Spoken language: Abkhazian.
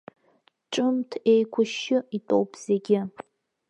Ҽымҭ еиқәышьшьы итәоуп зегьы.